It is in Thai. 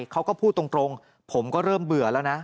เขาก็พูดตรงผมก็เริ่มเบื่อแล้วนะ